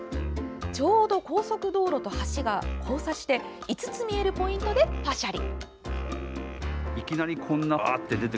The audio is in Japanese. ちょうど高速道路と橋が交差して５つ見えるポイントでパシャリ。